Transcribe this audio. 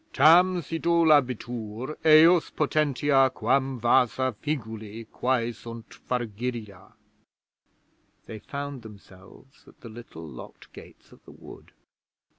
Tam cito labitur ejus potentia Quam vasa figuli quæ sunt fragilia.' They found themselves at the little locked gates of the wood.